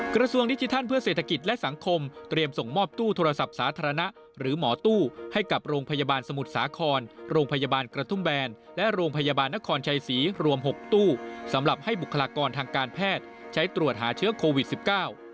กระทรวงดิจิทัลเพื่อเศรษฐกิจและสังคมเตรียมส่งมอบตู้โทรศัพท์สาธารณะหรือหมอตู้ให้กับโรงพยาบาลสมุทรสาครโรงพยาบาลกระทุ่มแบนและโรงพยาบาลนครชัยศรีรวมหกตู้สำหรับให้บุคลากรทางการแพทย์ใช้ตรวจหาเชื้อโควิดสิบเก้า